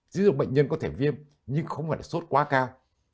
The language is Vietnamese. ví dụ bệnh nhân có thể viêm nhưng không phải là sốt quá cao